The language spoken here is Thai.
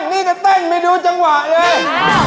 นี่ก็เต้นไม่ดูจังหวะเลย